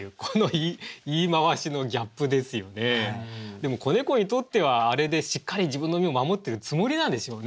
でも子猫にとってはあれでしっかり自分の身を守ってるつもりなんでしょうね。